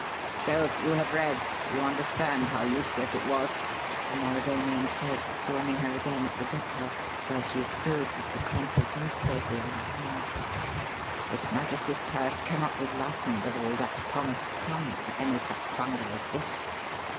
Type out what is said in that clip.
"So, you have read: you understand how useless it was?" the Mauravanian said, joining her again at the deckhouse, where she stood with the crumpled newspaper in her hand. "His Majesty's purse cannot be lightened of all that promised sum for any such bungle as this.